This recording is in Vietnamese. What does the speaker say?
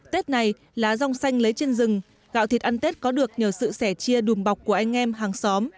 tết này lá rong xanh lấy trên rừng gạo thịt ăn tết có được nhờ sự sẻ chia đùm bọc của anh em hàng xóm